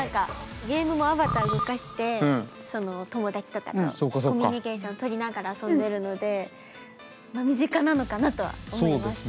ゲームもアバター動かして友達とかとコミュニケーションとりながら遊んでるのでまあ身近なのかなとは思います。